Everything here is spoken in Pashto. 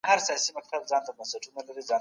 ايا سياست واقعا علم نه دی؟